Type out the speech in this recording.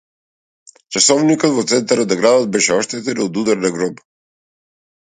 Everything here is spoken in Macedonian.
Часовникот во центарот на градот беше оштетен од удар на гром.